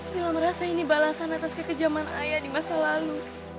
bila merasa ini balasan atas kekejaman ayah di masa lalu